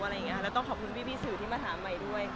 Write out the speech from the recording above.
แล้วต้องขอบคุณพี่สื่อที่มาถามใหม่ด้วย